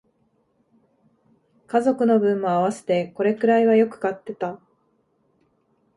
家族の分も合わせてこれくらいはよく買ってた